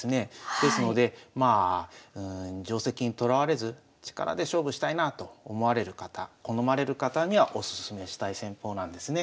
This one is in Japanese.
ですのでまあ定跡にとらわれず力で勝負したいなあと思われる方好まれる方にはおすすめしたい戦法なんですね。